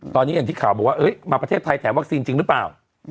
ตอนนี้อย่างที่ข่าวบอกว่ามาประเทศไทยแถมวัคซีนจริงหรือเปล่า